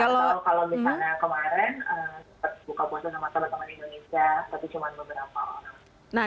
kalau misalnya kemarin buka puasa sama teman teman indonesia tapi cuma beberapa orang